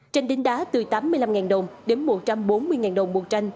tranh đính đá từ tám mươi năm đồng đến một trăm bốn mươi đồng một tranh